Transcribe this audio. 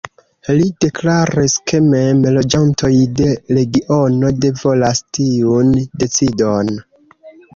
Li deklaris ke mem loĝantoj de regiono ne volas tiun decidon.